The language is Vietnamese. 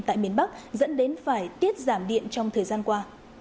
tại miền bắc dẫn đến phải tiết giảm điện trong thời gian qua